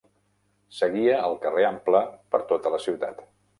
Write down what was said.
Seguia el Carrer Ample per tota la ciutat.